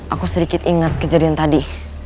aku sedikit ingat kejadian tadi